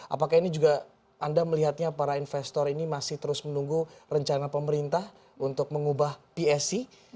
apakah ini juga anda melihatnya para investor ini masih terus menunggu rencana pemerintah untuk mengubah psc